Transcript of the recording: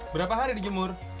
berapa hari dijemur